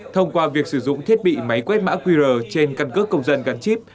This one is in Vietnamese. thông qua việc sử dụng thiết bị máy quét mã qr trên căn cước công dân gắn chip